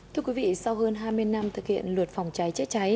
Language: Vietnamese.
thưa quý vị sau hơn hai mươi năm thực hiện luật phòng cháy chữa cháy